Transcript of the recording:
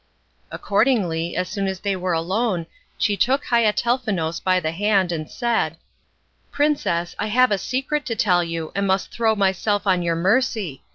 Accordingly, as soon as they were alone she took Haiatelnefous by the hand and said: "Princess, I have a secret to tell you, and must throw myself on your mercy.